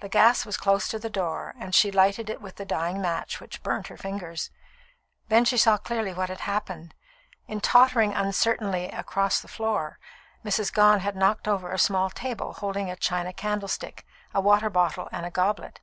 The gas was close to the door, and she lighted it with the dying match, which burnt her fingers. Then she saw clearly what had happened. In tottering uncertainly across the floor, Mrs. Gone had knocked over a small table holding a china candlestick, a water bottle, and a goblet.